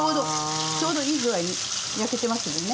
ちょうどいい具合に焼けてますもんね。